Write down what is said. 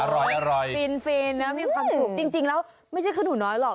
อร่อยฟินฟินนะมีความสุขจริงแล้วไม่ใช่คือหนูน้อยหรอก